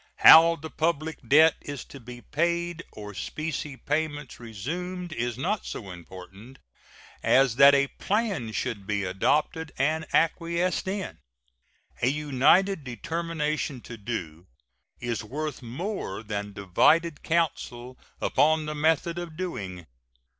How the public debt is to be paid or specie payments resumed is not so important as that a plan should be adopted and acquiesced in. A united determination to do is worth more than divided counsels upon the method of doing.